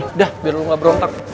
udah biar lu gak berontak